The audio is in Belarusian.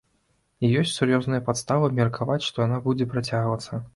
І ёсць сур'ёзныя падставы меркаваць, што яна будзе працягвацца.